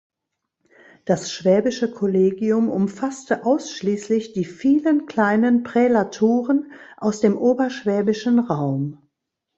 Das schwäbische Kollegium umfasste ausschließlich die vielen kleinen Prälaturen aus dem oberschwäbischen Raum.